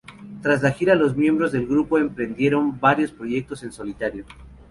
Tras la gira, los miembros del grupo emprendieron varios proyectos en solitario.